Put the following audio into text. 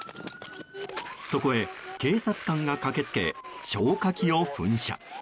そこへ警察官が駆け付け消火器を噴射。